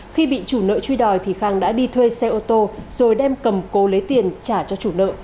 khi bị chủ nợ truy đòi thì khang đã đi thuê xe ô tô rồi đem cầm cố lấy tiền trả cho chủ nợ